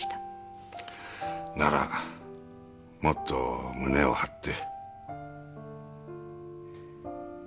ならもっと胸を張って。